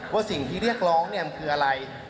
ว่าสิ่งที่เรียกร้องเนี่ยมันคืออะไร